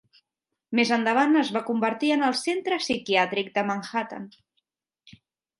Més endavant es va convertir en el Centre Psiquiàtric de Manhattan.